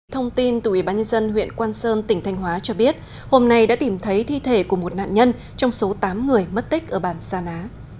thông tin từ ủy ban nhân dân huyện quang sơn tỉnh thanh hóa cho biết hôm nay đã tìm thấy thi thể của một nạn nhân trong số tám người mất tích ở bàn sa ná